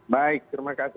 baik terima kasih